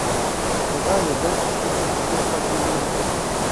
Di xwezayê de tiştek ji bo xwe jiyan nake.